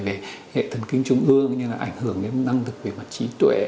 về hệ thần kinh trung ương như là ảnh hưởng đến năng lực về mặt trí tuệ